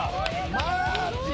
マジ。